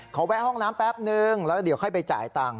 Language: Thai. แวะห้องน้ำแป๊บนึงแล้วเดี๋ยวค่อยไปจ่ายตัง